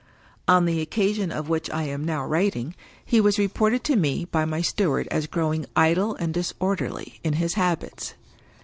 On the occasion of which I am now writing, he was reported to me by my steward as growing idle and disor derly in his habits.